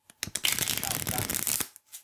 厚工